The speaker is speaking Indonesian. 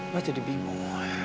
mas jadi bingung